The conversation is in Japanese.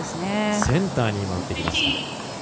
センターに打ってきました。